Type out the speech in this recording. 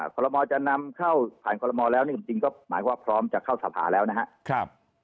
คอลโลมอล์จะนำเข้าผ่านคอลโลมอล์แล้วจริงก็หมายความว่าพร้อมจะเข้าสภาแล้วนะฮะ